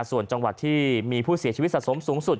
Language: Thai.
ส่วนจังหวัดที่มีผู้เสียชีวิตสะสมสูงสุด